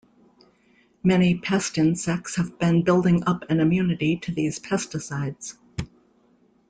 Many pest insects have been building up an immunity to these pesticides.